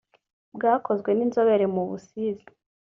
bwakozwe n’Inzobere mu Busizi